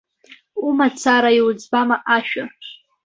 Умацара иуӡбама ашәа?